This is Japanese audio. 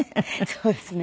そうですね。